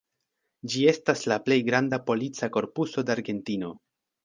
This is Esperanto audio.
Ĝi estas la plej granda polica korpuso de Argentino.